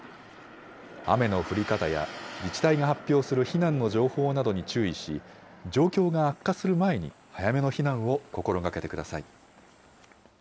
雨の降り方や自治体が発表する避難の情報などに注意し、状況が悪化する前に早めの避難を心がけてください。